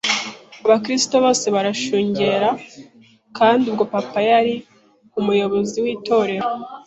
abakristo bose baranshungera kandi ubwo papa yari umuyobozi w’itorero